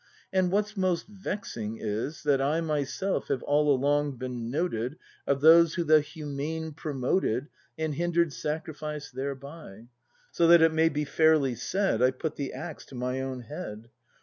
And what's most vexing is, that I Myself have all along been noted Of those who the Humane promoted And hinder'd sacrifice therebv. So that it may be fairly said, I've put the axe to my own head.